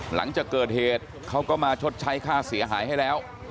หลังจากเกิดเหตุเขาก็มาชดใช้ค่าเสียหายให้แล้ว